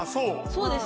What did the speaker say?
そうですね。